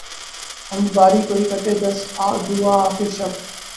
حمد باری کو اٹھے دست دعا آخر شب